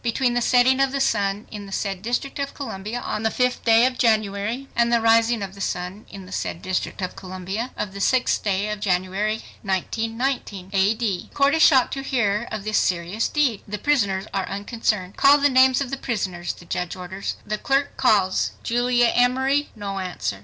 between the setting of the sun in the said District of Columbia on the sixth day of January and the rising of the sun in the said District of Columbia o f the sixth day o f January, 1919, A. D." The court is shocked to hear of this serious deed. The prisoners are unconcerned. "Call the names of the prisoners," the judge orders. The clerk calls, "Julia Emory." No answer!